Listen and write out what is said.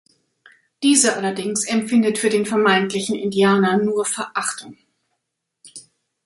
Diese allerdings empfindet für den vermeintlichen Indianer nur Verachtung.